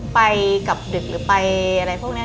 ไปกับดึกหรือไปอะไรพวกนี้